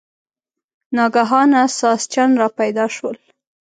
ناګهانه ساسچن را پیدا شول.